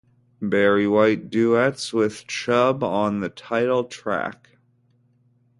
Barry White duets with Chubb on the title track.